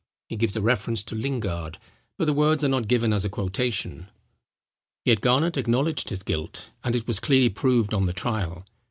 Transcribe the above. He gives a reference to Lingard; but the words are not given as a quotation. Yet Garnet acknowledged his guilt, and it was clearly proved on the trial.